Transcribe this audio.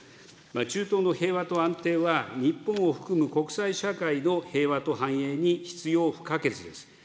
中東の平和と安定は、日本を含む国際社会の平和と繁栄に必要不可欠です。